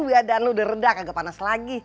keadaan lu udah reda kagak panas lagi